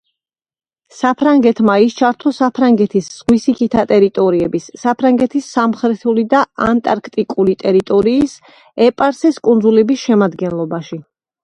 საფრანგეთმა ის ჩართო საფრანგეთის ზღვისიქითა ტერიტორიების, საფრანგეთის სამხრეთული და ანტარქტიდული ტერიტორიის ეპარსეს კუნძულების შემადგენლობაში.